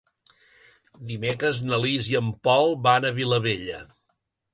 Dimecres na Lis i en Pol van a Vilabella.